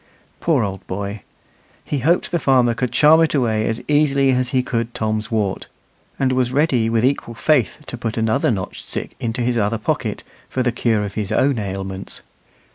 Poor old boy! He hoped the farmer could charm it away as easily as he could Tom's wart, and was ready with equal faith to put another notched stick into his other pocket, for the cure of his own ailments.